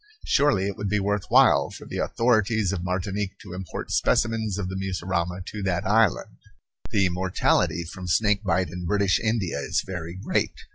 Surely it would be worth while for the authorities of Martinique to import specimens of the mussurama to that island. The mortality from snake bite in British India is very great.